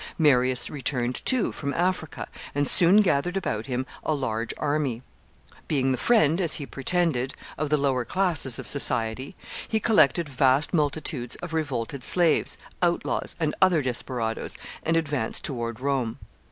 Marius returned, too, from Africa, and soon gathered about him a large army. Being the friend, as he pretended, of the lower classes of society, he collected vast multitudes of revolted slaves, outlaws, and other desperadoes, and advanced toward Rome.